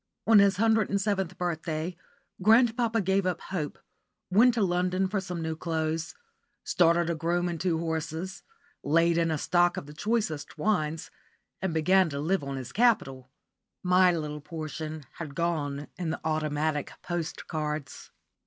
*_ On his hundred and seventh birthday grandpapa gave up hope, went to London for some new clothes, started a groom and two horses, laid in a stock of the choicest wines, and began to live on his capital. My little portion had gone in the "Automatic Postcards."